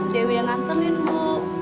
dewi yang nganterin bu